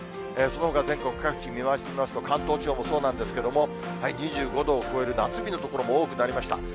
そのほか全国各地見渡してみますと、関東地方もそうなんですけども、２５度を超える夏日の所も多くなりました。